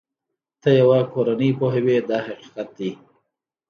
ته یوه کورنۍ پوهوې دا حقیقت دی.